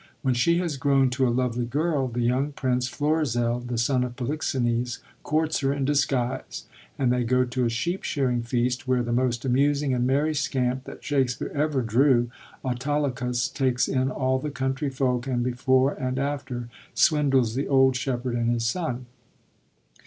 When she has grown to a lovely girl, the young Prince Florizel, the son of Polixenes, courts her in disguise, and they go to a sheep shearing feast, where the most amusing and merry scamp that Shakspere ever drew, Autolycus, takes in all the countryfolk, and before and after swindles the old shepherd and his son.